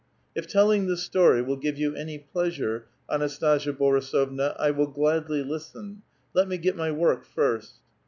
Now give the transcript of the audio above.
'* If telling this story will give you any pleasure. Anas tasia Borisovna, I will gladly listen. Let me get my work first."